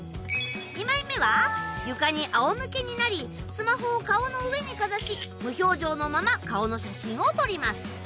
２枚目は床に仰向けになりスマホを顔の上にかざし無表情のまま顔の写真を撮ります。